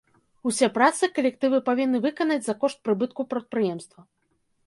Усе працы калектывы павінны выканаць за кошт прыбытку прадпрыемства.